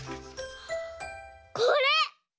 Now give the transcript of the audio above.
これ！